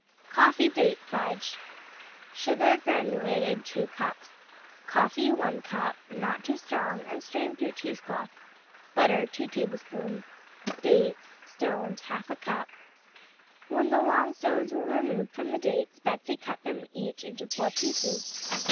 Coffee Date Fudge Sugar (granulated), 2 cups Coffee, 1 cup (Not too strong, and strain through cheesecloth.) Butter, 2 tablespoons Dates (stoned), 1/2 cup When the long stones were removed from the dates Betsey cut them each into four pieces.